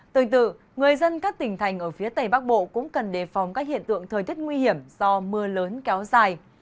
tương tự người dân các tỉnh thành ở phía tây bắc bộ cũng cần đề phòng các hiện tượng thời tiết nguy hiểm do mưa lớn kéo dài